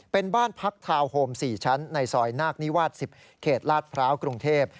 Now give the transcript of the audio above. เป็นบ้านพักทาวน์โฮม๔ชั้นในซอยนาคนิวาส๑๐เขตลาดพร้าวกรุงเทพ